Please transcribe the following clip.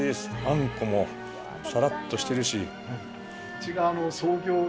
あんこもサラッとしてるし。